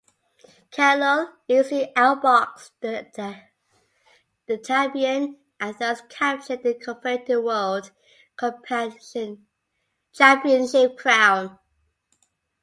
Kalule easily outboxed the champion and thus captured the coveted world championship crown.